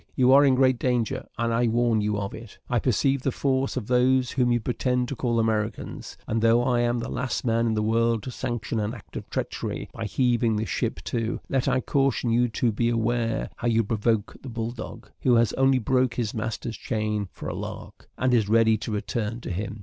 You are in great danger, and I warn you of it. I perceive the force of those whom you pretend to call Americans; and though I am the last man in the world to sanction an act of treachery by heaving the ship to, yet I caution you to beware how you provoke the bull dog, who has only broke his master's chain 'for a lark,' and is ready to return to him.